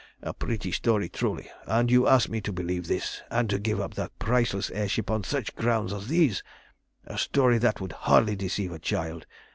A pretty story, truly! And you ask me to believe this, and to give up that priceless air ship on such grounds as these a story that would hardly deceive a child?